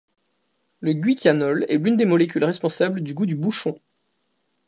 Le guaiacol est l'une des molécules responsables du goût de bouchon.